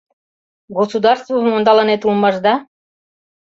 Государствым ондалынет улмаш да?